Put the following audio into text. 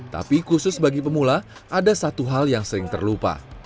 tapi khusus bagi pemula ada satu hal yang sering terlupa